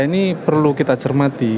ini perlu kita cermati